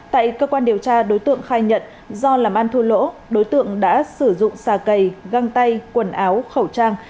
tại cơ quan điều tra đối tượng khai nhận do làm ăn thua lỗ đối tượng đã sử dụng xà cầy găng tay quần áo khẩu trang